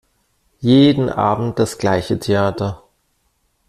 Jeden Abend das gleiche Theater!